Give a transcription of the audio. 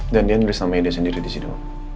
dan dia nulis nama ide sendiri di situ